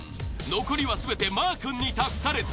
残りはすべてマー君に託された。